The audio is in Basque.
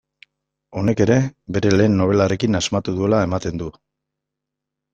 Honek ere bere lehen nobelarekin asmatu duela ematen du.